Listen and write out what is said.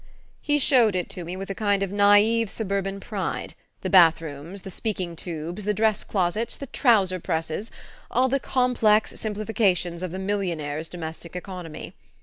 He showed it to me with a kind of naive suburban pride: the bath rooms, the speaking tubes, the dress closets, the trouser presses all the complex simplifications of the millionaire's domestic economy.